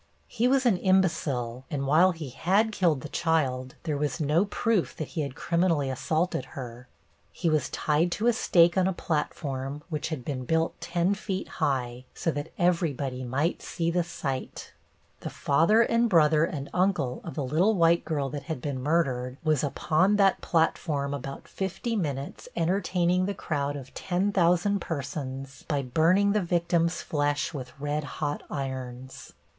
He was an imbecile, and while he had killed the child, there was no proof that he had criminally assaulted her. He was tied to a stake on a platform which had been built ten feet high, so that everybody might see the sight. The father and brother and uncle of the little white girl that had been murdered was upon that platform about fifty minutes entertaining the crowd of ten thousand persons by burning the victim's flesh with red hot irons.